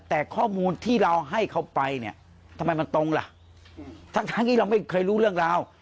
แต่ข้อมูลที่เราให้เขาไปเนี่ยทำไมมันตรงล่ะทั้งทั้งที่เราไม่เคยรู้เรื่องราว